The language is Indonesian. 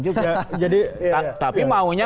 juga tapi maunya